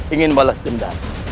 ingin balas dendam